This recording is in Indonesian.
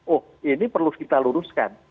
oh ini perlu kita luruskan